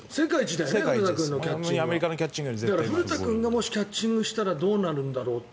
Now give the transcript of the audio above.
だからもし、古田君がキャッチングしたらどうなるんだろうって。